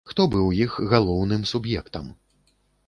Хто быў іх галоўным суб'ектам?